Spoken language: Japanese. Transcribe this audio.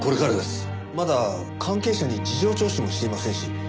まだ関係者に事情聴取もしていませんし。